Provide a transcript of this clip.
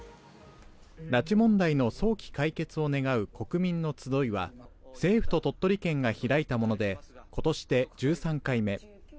拉致問題の早期解決を願う国民のつどいは、政府と鳥取県が開いたもので、ことしで１３回目。